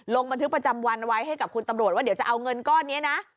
ลงบันทึกประจำวันไว้ให้กับคุณตำรวจว่าเดี๋ยวจะเอาเงินก้อนนี้นะ